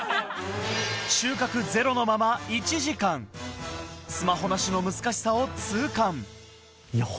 収穫ゼロのまま１時間スマホなしの難しさを痛感